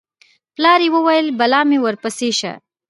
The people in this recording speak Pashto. پلار یې وویل: بلا مې ورپسې شه